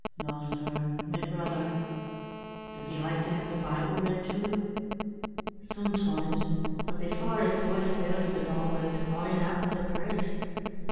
"No, sir, my brother." "Does he like to have the Bible read to him?" "Sometimes; but before his voice failed he was always cryin' out for the priest.